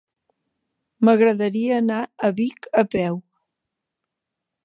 M'agradaria anar a Vic a peu.